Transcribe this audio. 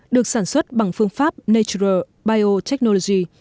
được sản xuất bằng phương pháp natural biotechnology